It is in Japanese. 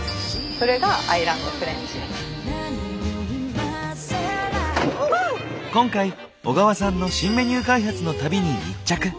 それが今回小川さんの新メニュー開発の旅に密着。